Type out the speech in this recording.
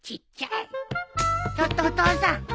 ちょっとお父さん。